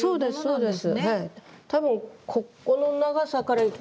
そうです。